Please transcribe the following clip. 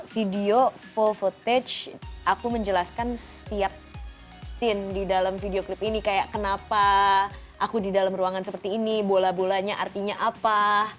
video full footage aku menjelaskan setiap scene di dalam video klip ini kayak kenapa aku di dalam ruangan seperti ini bola bolanya artinya apa